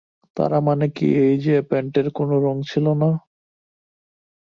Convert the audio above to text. তার মানে কি এই যে, প্যান্টের কোনো রঙ ছিল না।